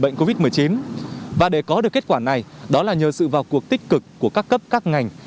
bệnh covid một mươi chín và để có được kết quả này đó là nhờ sự vào cuộc tích cực của các cấp các ngành